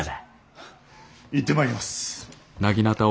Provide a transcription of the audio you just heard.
行ってまいります。